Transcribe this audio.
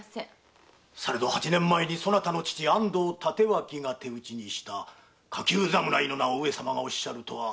されど八年前にそなたの父安藤帯刀が手討ちにした下級侍の名を上様がおっしゃるとは。